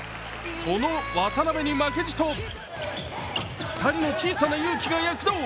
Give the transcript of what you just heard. その渡邊に負けじと２人の小さなユウキが躍動。